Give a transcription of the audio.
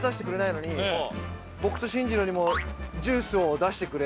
僕と進次郎にもジュースを出してくれ。